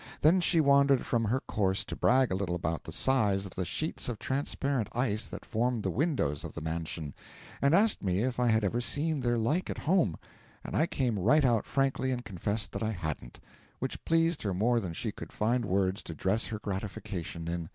Then she wandered from her course to brag a little about the size of the sheets of transparent ice that formed the windows of the mansion, and asked me if I had ever seen their like at home, and I came right out frankly and confessed that I hadn't, which pleased her more than she could find words to dress her gratification in.